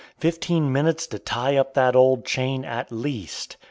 Fifteen minutes to tie up that old chain, at least!"